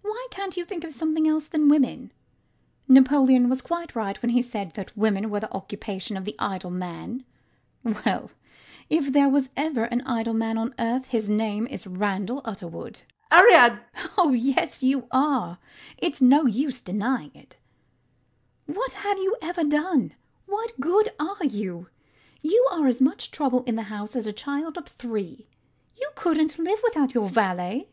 Why can't you think of something else than women? Napoleon was quite right when he said that women are the occupation of the idle man. Well, if ever there was an idle man on earth, his name is Randall Utterword. RANDALL. Ariad LADY UTTERWORD [overwhelming him with a torrent of words]. Oh yes you are: it's no use denying it. What have you ever done? What good are you? You are as much trouble in the house as a child of three. You couldn't live without your valet.